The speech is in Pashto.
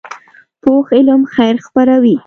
پوخ علم خیر خپروي